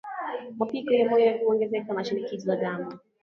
Mapigo ya moyo huongezeka na Shinikizo la damu